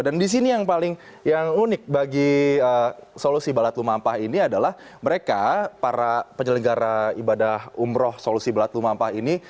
dan di sini yang paling unik bagi solusi balat lumampah ini adalah mereka para penyelenggara ibadah umroh solusi balat lumampah ini